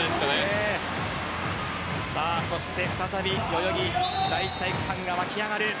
そして再び代々木第一体育館がわき上がる